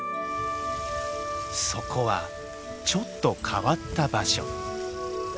そこはちょっと変わった場所。